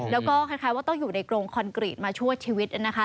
แล้วก็คล้ายว่าต้องอยู่ในกรงคอนกรีตมาชั่วชีวิตนะคะ